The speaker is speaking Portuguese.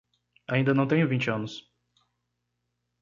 Ainda não tenho vinte anos